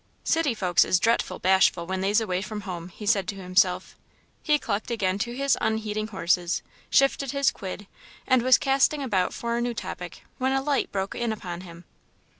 "City folks is dretful bashful when they's away from home," he said to himself. He clucked again to his unheeding horses, shifted his quid, and was casting about for a new topic when a light broke in upon him.